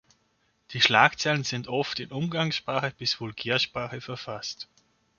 Die Schlagzeilen sind oft in Umgangs- bis Vulgärsprache verfasst.